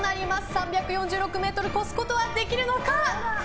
３４６ｍ超すことはできるのか。